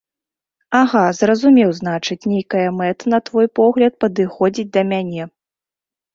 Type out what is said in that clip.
Ага, зразумеў, значыць, нейкая мэта, на твой погляд, падыходзіць да мяне.